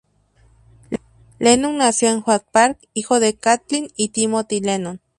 Lennon nació en Oak Park, hijo de Kathleen y Timothy Lennon.